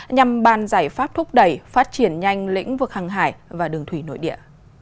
nhằm bàn giải pháp thúc đẩy phát triển nhanh lĩnh vực hàng hải và đường thủy nội địa